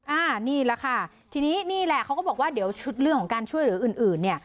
อ่านี่แหละค่ะทีนี้นี่แหละเขาก็บอกว่าเดี๋ยวชุดเรื่องของการช่วยเหลืออื่นอื่นเนี่ย